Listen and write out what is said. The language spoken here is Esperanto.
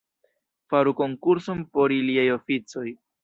Faru konkurson por iliaj oficoj.